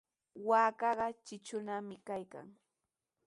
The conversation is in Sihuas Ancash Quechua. Waakaqa tritrunami kaykan.